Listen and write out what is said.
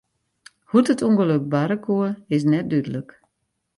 Hoe't it ûngelok barre koe, is net dúdlik.